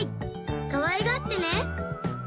かわいがってね！